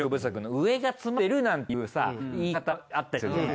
上が詰まってるなんていうさ言い方あったりするじゃない。